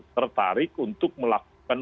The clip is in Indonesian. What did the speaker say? tertarik untuk melakukan